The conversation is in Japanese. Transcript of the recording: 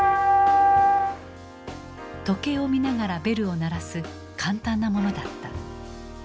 時計を見ながらベルを鳴らす簡単なものだった。